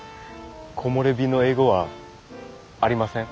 木漏れ日の英語はありません。